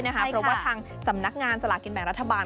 เพราะว่าทางสำนักงานสลากินแบ่งรัฐบาล